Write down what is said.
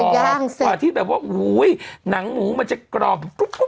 กว่าที่แบบว่าอุ๊ยหนังหมูมันจะกรอบ